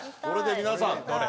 これで皆さん。